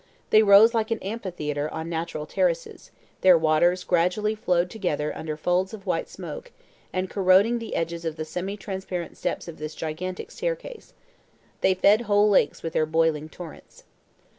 They rose like an amphitheater on natural terraces; their waters gradually flowed together under folds of white smoke, and corroding the edges of the semi transparent steps of this gigantic staircase. They fed whole lakes with their boiling torrents.